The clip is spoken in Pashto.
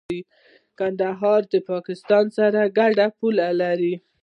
کندهار د پاکستان سره ګډه پوله لري.